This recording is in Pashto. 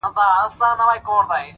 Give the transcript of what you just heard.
د اوښکو ټول څاڅکي دي ټول راټول کړه”